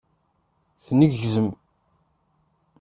Tneggzem.